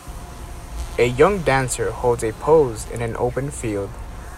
A young dancer holds a pose in an open field